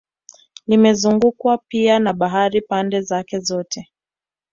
Limezungukwa pia na bahari pande zake zote